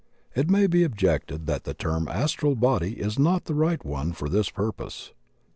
It may be objected that the term Astral Body is not the right one for this purpose.